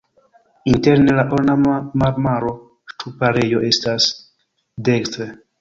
Interne la ornama marmora ŝtuparejo estas dekstre.